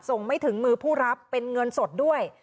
ไม่ถึงมือผู้รับเป็นเงินสดด้วย